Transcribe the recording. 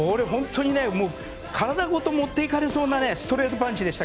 体ごと持っていかれそうなストレートパンチでした。